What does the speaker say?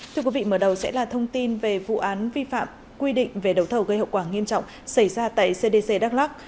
thưa quý vị mở đầu sẽ là thông tin về vụ án vi phạm quy định về đầu thầu gây hậu quả nghiêm trọng xảy ra tại cdc đắk lắc